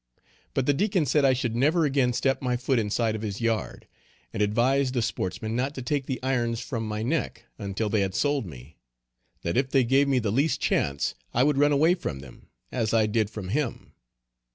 But the Deacon said I should never again step my foot inside of his yard; and advised the sportsmen not to take the irons from my neck until they had sold me; that if they gave me the least chance I would run away from them, as I did from him.